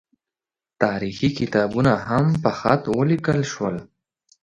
تاریخي کتابونه هم په خط ولیکل شول.